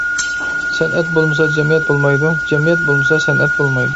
سەنئەت بولمىسا جەمئىيەت بولمايدۇ، جەمئىيەت بولمىسا سەنئەت بولمايدۇ.